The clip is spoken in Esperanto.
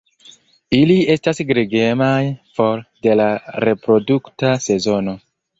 Ili estas gregemaj for de la reprodukta sezono.